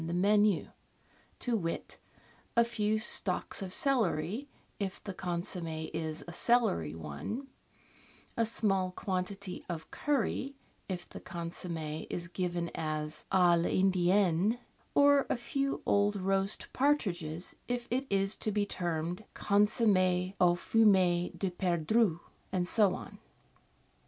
e menu — to wit, a few stalks of celery, if the consomm^ is a celery one; a small quantity of curry, if the consomm6 is given as "^ ITndienne "; or a few old roast partridges if it is to be termed " Consomm^ au fumet de perdreau "; and so on.